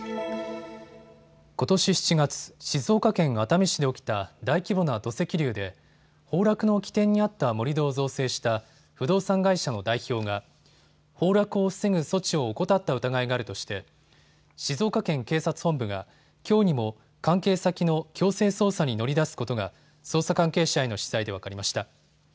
ことし７月、静岡県熱海市で起きた大規模な土石流で崩落の起点にあった盛り土を造成した不動産会社の代表が崩落を防ぐ措置を怠った疑いがあるとして静岡県警察本部がきょうにも関係先の強制捜査に乗り出すことが捜査関係者への取材で分かりました。